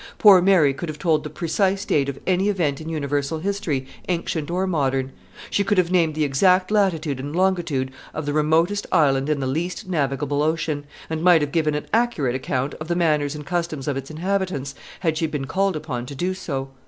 Poor Mary could have told the precise date of any event in universal history, ancient or modern; she could have named the exact latitude and longitude of the remotest island in the least navigable ocean, and might have given an accurate account of the manners and customs of its inhabitants, had she been called upon to do so.